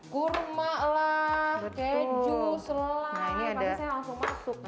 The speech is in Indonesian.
kurma lah keju selai panasnya langsung masuk